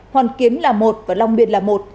hoàn kiến là một và long biên là một